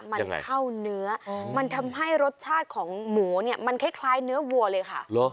มันเข้าเนื้อมันทำให้รสชาติของหมูเนี่ยมันคล้ายเนื้อวัวเลยค่ะ